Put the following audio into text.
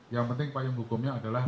yang penting pak yung hukumnya adalah